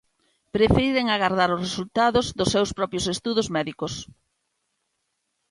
Prefiren agardar os resultados dos seus propios estudos médicos.